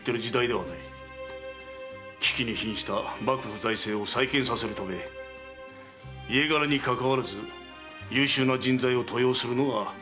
危機に瀕した幕府財政を再建させるため家柄にかかわらず優秀な人材を登用するのが余の方針である。